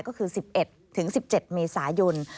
ก็คือ๑๑๑๑๗เมษายน